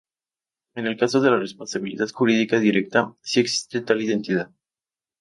En el caso de la responsabilidad jurídica directa, sí existe tal identidad.